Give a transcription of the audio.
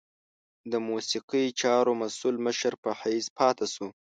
د موسیقي چارو مسؤل مشر په حیث پاته شو.